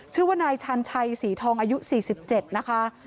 ชื่อว่านายชันชัยศรีทองอายุ๔๗นะคะ